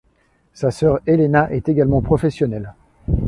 Sa sœur Elena est également professionnelle.